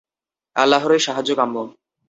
আল্লাহরই সাহায্য কাম্য।